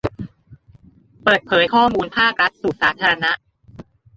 เปิดเผยข้อมูลภาครัฐสู่สาธารณะ